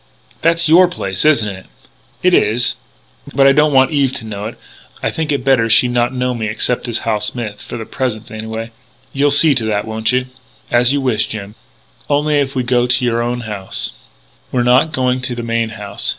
"That's your place, isn't it?" "It is. But I don't want Eve to know it.... I think it better she should not know me except as Hal Smith for the present, anyway. You'll see to that, won't you?" "As you wish, Jim.... Only, if we go to your own house " "We're not going to the main house.